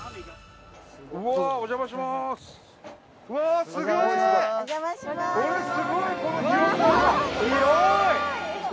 お邪魔します。